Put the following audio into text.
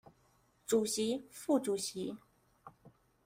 主席副主席